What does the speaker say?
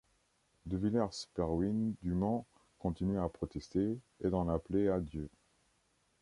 De Villers-Perwin Dumont continue à protester et d’en appeler à Dieu.